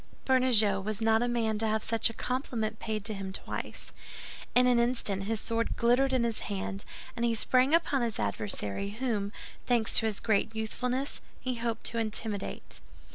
Bernajoux was not a man to have such a compliment paid to him twice. In an instant his sword glittered in his hand, and he sprang upon his adversary, whom, thanks to his great youthfulness, he hoped to intimidate.